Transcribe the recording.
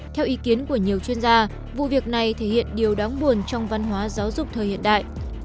theo ý kiến của nhiều chuyên gia vụ việc này thể hiện điều đáng buồn trong văn hóa giáo dục thời hiện đại